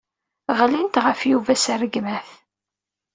Ɣlint ɣef Yuba s rregmat.